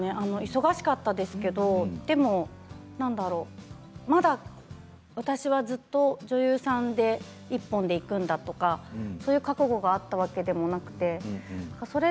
忙しかったですけど、でもなんだろうまだ私はずっと女優さん１本でいくんだとか、そういう覚悟があったわけでもなくて。